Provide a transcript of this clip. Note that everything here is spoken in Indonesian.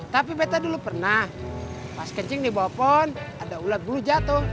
tapi beta dulu pernah pas kencing di bawah pohon ada ulat bulu jatuh